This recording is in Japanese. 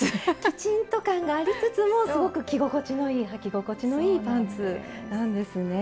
きちんと感がありつつもすごく着心地のいいはき心地のいいパンツなんですね。